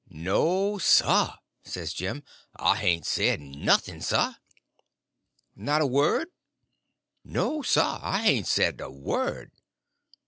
"No, sah," says Jim; "I hain't said nothing, sah." "Not a word?" "No, sah, I hain't said a word."